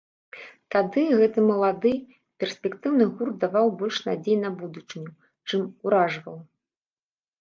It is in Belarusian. Тады гэты малады, перспектыўны гурт даваў больш надзей на будучыню, чым уражваў.